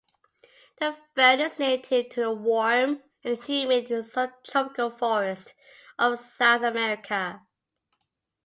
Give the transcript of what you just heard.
The fern is native to the warm and humid subtropical forests of South America.